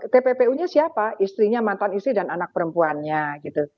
tppu nya siapa istrinya mantan istri dan anak perempuannya gitu